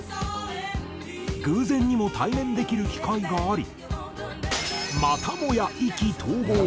偶然にも対面できる機会がありまたもや意気投合。